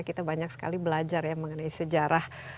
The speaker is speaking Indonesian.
kita banyak sekali belajar ya mengenai sejarah